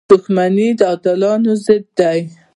• دښمني د عادلانو ضد ده.